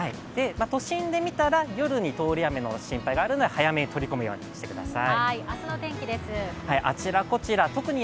都心で見たら、夜に通り雨の心配があるので、早めに取り込むようにしてください。